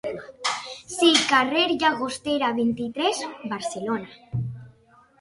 Sí, carrer Llagostera vint-i-tres, Barcelona.